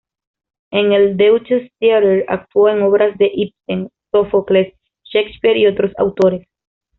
En el "Deutsches Theater" actuó en obras de Ibsen, Sófocles, Shakespeare y otros autores.